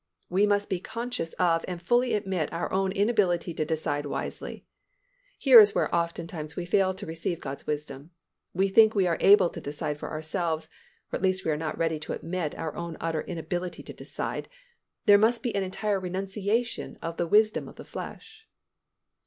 We must be conscious of and fully admit our own inability to decide wisely. Here is where oftentimes we fail to receive God's wisdom. We think we are able to decide for ourselves or at least we are not ready to admit our own utter inability to decide. There must be an entire renunciation of the wisdom of the flesh.